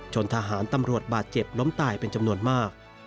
ทหารตำรวจบาดเจ็บล้มตายเป็นจำนวนมาก